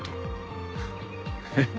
えっ？